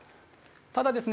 ただですね